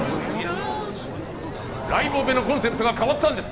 「ライブオペのコンセプトが変わったんです」